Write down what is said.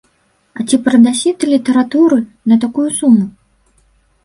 А ці прадасі ты літаратуры на такую суму?